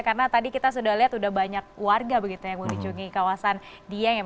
karena tadi kita sudah lihat sudah banyak warga begitu yang mengunjungi kawasan dieng